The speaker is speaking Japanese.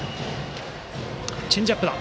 チェンジアップ。